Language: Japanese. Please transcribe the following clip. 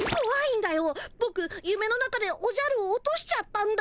ぼくゆめの中でおじゃるを落としちゃったんだ。